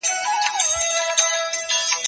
زه پرون ځواب ليکم،